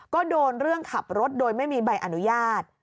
ก็โดนเรื่องขับรถโดยไม่มีใบอนุญาต